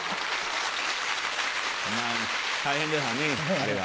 まぁ大変だからねあれは。